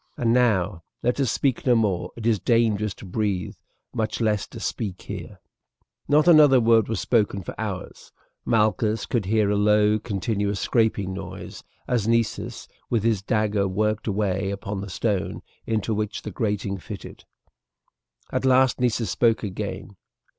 And now let us speak no more; it is dangerous to breathe, much less to speak here." Not another word was spoken for hours. Malchus could hear a low continuous scraping noise as Nessus with his dagger worked away upon the stone into which the grating fitted. At last Nessus spoke again.